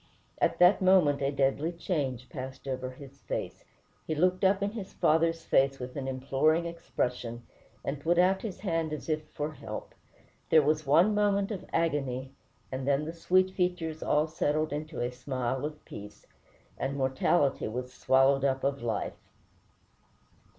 At that moment a deadly change passed over his face. He looked up in his father's face with an imploring expression, and put out his hand as if for help. There was one moment of agony, and then the sweet features all settled into a smile of peace, and "mortality was swallowed up of life."